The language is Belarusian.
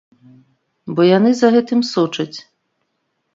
Бо яны за гэтым сочаць.